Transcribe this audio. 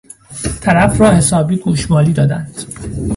طرف را حسابی گوشمالی دادند